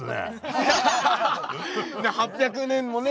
８００年もね